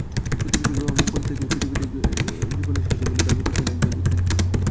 প্রতিবেশী গ্রহ মঙ্গল থেকেই পৃথিবীতে জীবন এসেছে বলে দাবি করেছেন একজন বিজ্ঞানী।